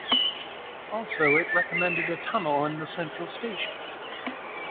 Also it recommended a tunnel and a central station.